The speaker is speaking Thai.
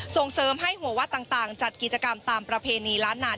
ส่งเสริมให้หัววัดต่างจัดกิจกรรมตามประเพณีล้านนาน